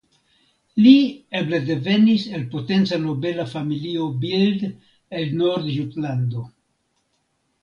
Li eble devenis el potenca nobela familio Bild el Nordjutlando.